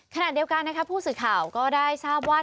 ขนาดเดียวกันผู้สื่อข่าวก็ได้ทราบว่า